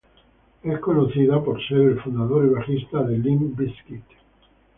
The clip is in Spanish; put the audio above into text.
Es conocido por ser el fundador y bajista de Limp Bizkit.